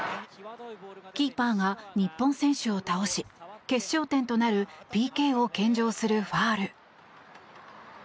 キーパーが日本選手を倒し決勝点となるＰＫを献上するファウル。